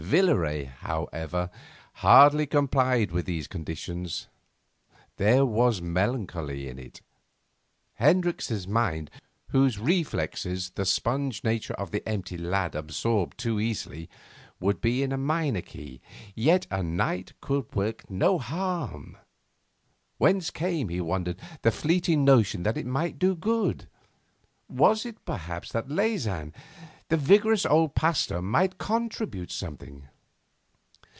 Villaret, however, hardly complied with these conditions; there was melancholy in it; Hendricks' mind whose reflexes the spongy nature of the empty lad absorbed too easily would be in a minor key. Yet a night could work no harm. Whence came, he wondered, the fleeting notion that it might do good? Was it, perhaps, that Leysin, the vigorous old Pasteur, might contribute something?